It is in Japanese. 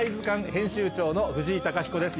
編集長の藤井貴彦です